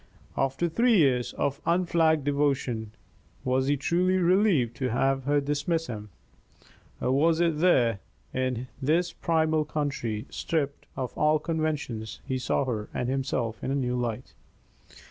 After three years of unflagging devotion, was he truly relieved to have her dismiss him? Or was it that here, in this primal country, stripped of all conventions, he saw her and himself in a new light?